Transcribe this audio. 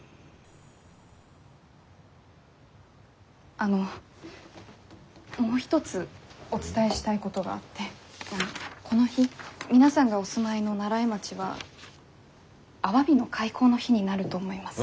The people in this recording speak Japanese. あのもう一つお伝えしたいことがあってこの日皆さんがお住まいの西風町はアワビの開口の日になると思います。